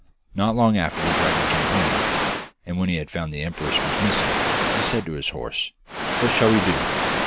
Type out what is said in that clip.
Not long after the dragon came home, and when he found the empress was missing he said to his horse, 'What shall we do?